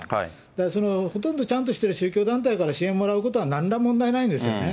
だからほとんどちゃんとしている宗教団体から支援もらうことは、なんら問題ないんですよね。